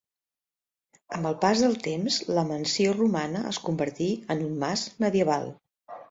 Amb el pas del temps la mansió romana es convertí en un mas medieval.